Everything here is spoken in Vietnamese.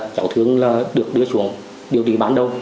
cháu thương được đưa xuống điều trị ban đầu